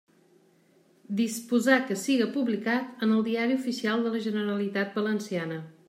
Disposar que siga publicat en el Diari Oficial de la Generalitat Valenciana.